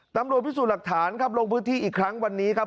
ตำรวจพิสูจน์หลักฐานครับลงพื้นที่อีกครั้งวันนี้ครับ